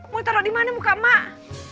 mau taruh di mana muka mak